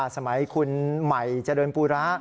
สมัยคุณใหม่เจริญปูระ